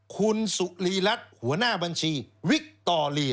คุณสุรีรัฐหัวหน้าบัญชีวิคตอเลีย